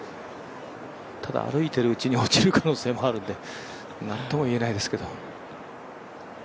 ただ、歩いているうちに落ちる可能性もあるので、何とも言えないですけど。